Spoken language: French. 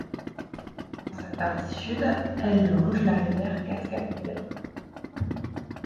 Dans sa partie sud, elle longe la rivière Cascapédia.